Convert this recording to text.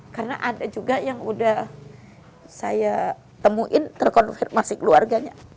karena ada juga yang udah saya temuin terkonfirmasi keluarganya